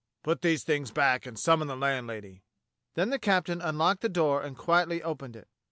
"Put these things back, and summon the landlady." Then the captain unlocked the door and quietly opened it.